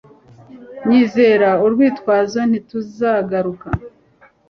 Nyizera urwitwazo ntiruzaguruka